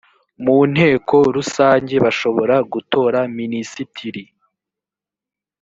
mu nteko rusange bashobora gutora minisitiri